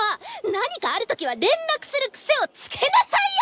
何かある時は連絡する癖をつけなさいよ！